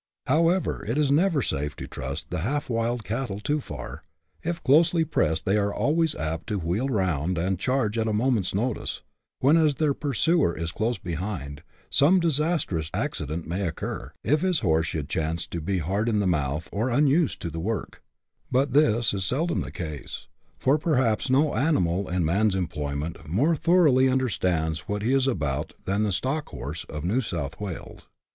However, it is never safe to trust the half wild cattle too far ; if closely pressed they are always apt to wheel round and charge at a moment's notice, when, as their pursuer is close behind, some disastrous accident may occur, if his horse should chance to be hard iti the mouth, or unused to the work ; but this is seldom the case, for perhaps no animal in man's em ployment more thoroughly understands what he is about than the " stock horse " of New South Wales.